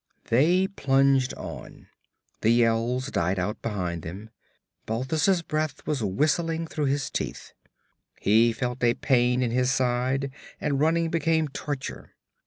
They plunged on. The yells died out behind them. Balthus' breath was whistling through his teeth. He felt a pain in his side, and running became torture.